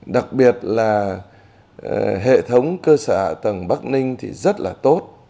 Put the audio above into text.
đặc biệt là hệ thống cơ sả tầng bắc ninh thì rất là tốt